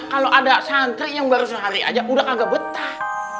kalau ada santri yang baru sehari aja udah agak betah